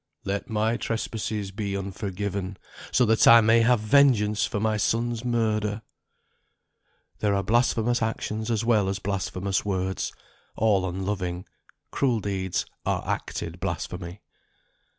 "Let my trespasses be unforgiven, so that I may have vengeance for my son's murder." There are blasphemous actions as well as blasphemous words: all unloving, cruel deeds are acted blasphemy.